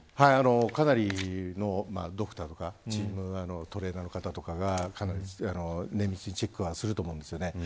かなりのドクターとかチームトレーナーの方とかが綿密にチェックすると思います。